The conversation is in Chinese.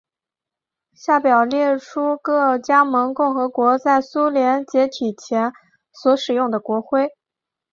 下表列出各加盟共和国在苏联解体前所使用的国徽。